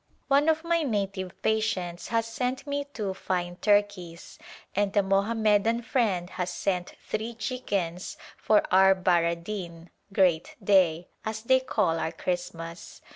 One of my native patients has sent me two fine turkeys and a Mohammedan friend has sent three chickens for our Bara Din (Great Day) as they call our Christmas.